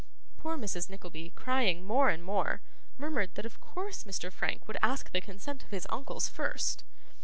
Poor Mrs. Nickleby, crying more and more, murmured that of course Mr Frank would ask the consent of his uncles first.